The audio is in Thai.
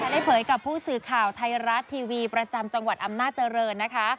เผยกับผู้สื่อข่าวไทยรัฐทีวีประจำจังหวัดอำนาจริงนะคะ